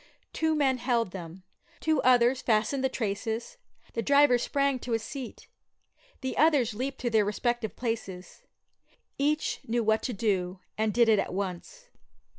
Two men held them; two others fastened the traces; the driver sprang to his seat; the others leaped to their respective places. Each knew what to do, and did it at once.